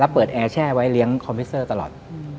เปิดแอร์แช่ไว้เลี้ยงคอมพิวเซอร์ตลอด